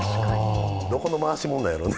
どこの回し者なんやろうね。